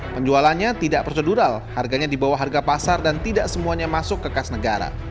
penjualannya tidak prosedural harganya di bawah harga pasar dan tidak semuanya masuk ke kas negara